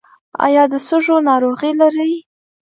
ایا د سږو ناروغي لرئ؟